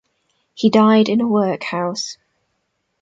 He died in a workhouse.